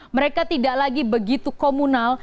mereka tidak lagi begitu komunal